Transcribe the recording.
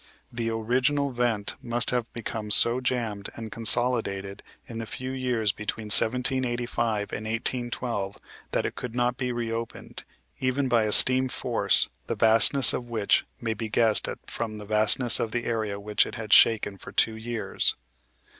The original vent must have become so jammed and consolidated, in the few years between 1785 and 1812, that it could not be reopened, even by a steam force the vastness of which may be guessed at from the vastness of the area which it had shaken for two years.